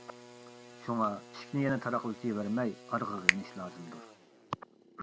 شۇڭا ئىشىكنى يەنە تاراقلىتىۋەرمەي ئارقىغا يېنىش لازىمدۇر.